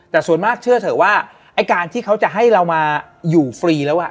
แต่ส่วนมากเชื่อเถอะว่าไอ้การที่เขาจะให้เรามาอยู่ฟรีแล้วอ่ะ